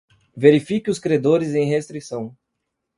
Verifique os credores em restrição.